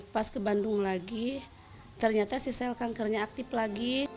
pas ke bandung lagi ternyata si sel kankernya aktif lagi